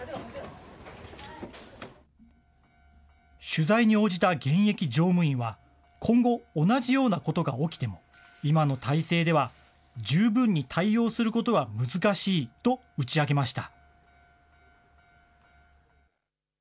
取材に応じた現役乗務員は、今後、同じようなことが起きても、今の体制では、十分に対応することは難しいと打ち明けました。